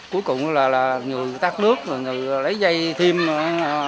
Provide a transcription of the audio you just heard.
cuối cùng là người tắt nước người lấy dây thêm phụ cứu chữa đó